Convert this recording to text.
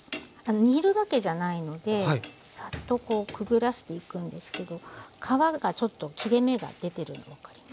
煮るわけじゃないのでサッとこうくぐらせていくんですけど皮がちょっと切れ目が出てるの分かりますかね。